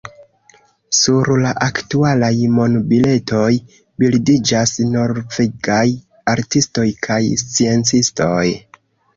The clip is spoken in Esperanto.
Sur la aktualaj monbiletoj bildiĝas norvegaj artistoj kaj sciencistoj.